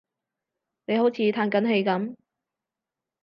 你好似歎緊氣噉